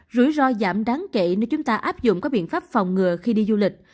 rủi ro giảm đáng kể nếu chúng ta áp dụng các biện pháp phòng ngừa khi đi du lịch